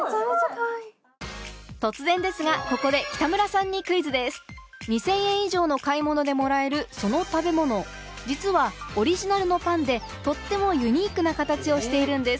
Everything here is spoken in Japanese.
突然ですがここで北村さんにクイズです２０００円以上の買い物でもらえるその食べ物実はオリジナルのパンでとってもユニークな形をしているんです